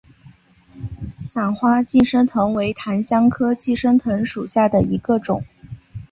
伞花寄生藤为檀香科寄生藤属下的一个种。